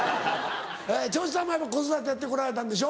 長州さんも子育てやって来られたんでしょ？